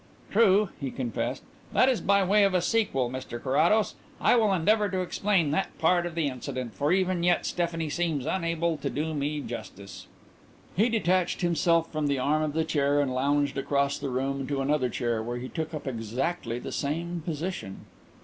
"True," he confessed. "That is by way of a sequel, Mr Carrados. I will endeavour to explain that part of the incident, for even yet Stephanie seems unable to do me justice." He detached himself from the arm of the chair and lounged across the room to another chair, where he took up exactly the same position.